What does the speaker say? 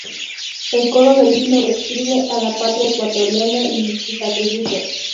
El coro del Himno describe a la Patria ecuatoriana y sus atributos.